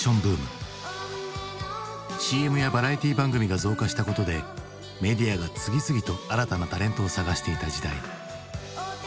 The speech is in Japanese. ＣＭやバラエティー番組が増加したことでメディアが次々と新たなタレントを探していた時代。